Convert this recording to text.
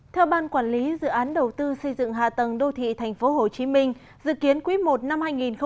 theo ban quản lý dự án đầu tư xây dựng hạ tầng đô thị tp hcm dự kiến quý i năm hai nghìn hai mươi